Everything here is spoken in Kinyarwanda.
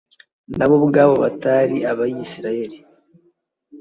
na bo ubwabo batari abayisraheli